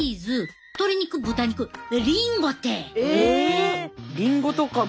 え！